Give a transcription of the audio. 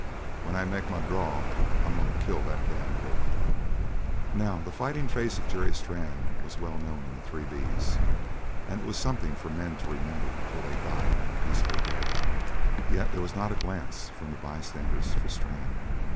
When I make my draw I'm goin' to kill that damn wolf." Now, the fighting face of Jerry Strann was well known in the Three B's, and it was something for men to remember until they died in a peaceful bed. Yet there was not a glance, from the bystanders, for Strann.